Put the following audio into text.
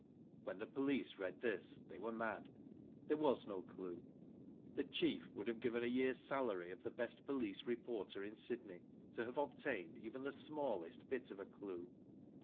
'* When the police read this, they wete mad. There was no clue. The ''chi6f" would have given a year's salary of the best police reporter in Sydney to have obtained even the smallest bit of a clue.